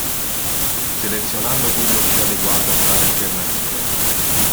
Selezionando quello più adeguato fra le alternative.